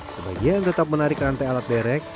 sebagian tetap menarik rantai alat derek